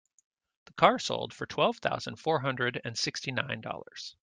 The car sold for twelve thousand four hundred and sixty nine dollars.